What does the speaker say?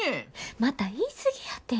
また言い過ぎやて。